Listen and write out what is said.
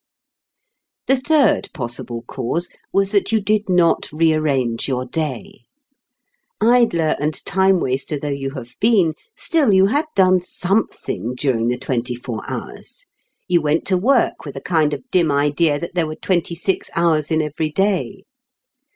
The third possible cause was that you did not rearrange your day. Idler and time waster though you have been, still you had done something during the twenty four hours. You went to work with a kind of dim idea that there were twenty six hours in every day.